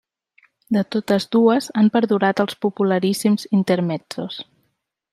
De totes dues han perdurat els popularíssims intermezzos.